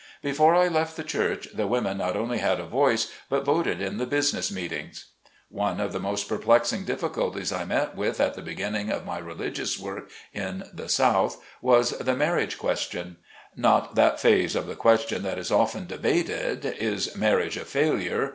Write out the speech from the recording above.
Before I left the church the women not only had a voice, but voted in the business meetings. One of the most perplexing difficulties I met with at the beginning of my religious work in the South was the "Marriage Question" Not that phase of the question that is often debated — "Is marriage a failure?"